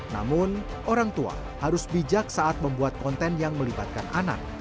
namun orang tua harus bijak saat membuat konten yang melibatkan anak